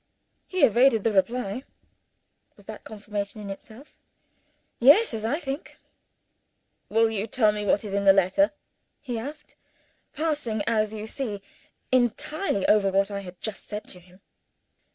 He evaded the reply. Was that confirmation in itself? Yes as I think! "Will you tell me what there is in the letter?" he asked passing, as you see, entirely over what I had just said to him.